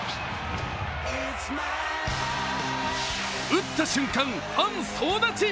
打った瞬間、ファン総立ち！